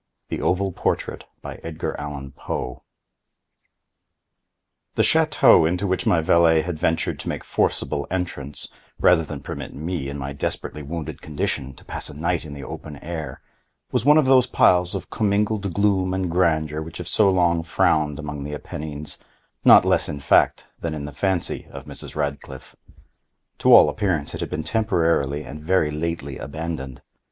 THE OVAL PORTRAIT The château into which my valet had ventured to make forcible entrance, rather than permit me, in my desperately wounded condition, to pass a night in the open air, was one of those piles of commingled gloom and grandeur which have so long frowned among the Appennines, not less in fact than in the fancy of Mrs. Radcliffe. To all appearance it had been temporarily and very lately abandoned.